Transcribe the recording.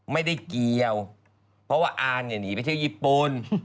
ไม่ได้เกี่ยวเพราะว่าออหนีไปเท่าญี่ปุ่น